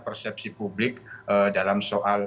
persepsi publik dalam soal